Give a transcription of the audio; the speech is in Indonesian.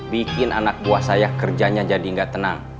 bikin anak buah saya kerjanya jadi nggak tenang